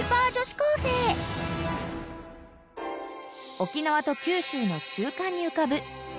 ［沖縄と九州の中間に浮かぶ］